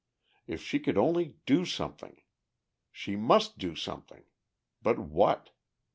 If she could only do something! She must do something. But what?